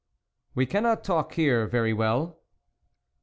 " We cannot talk here very well."